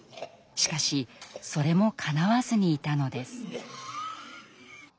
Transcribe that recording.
しかしそれもかなわずにいたのです。